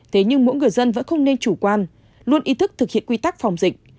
thế nhưng mỗi người dân vẫn không nên chủ quan luôn ý thức thực hiện quy tắc phòng dịch